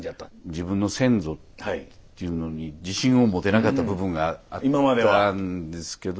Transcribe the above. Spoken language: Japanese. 自分の先祖っていうのに自信を持てなかった部分があったんですけど。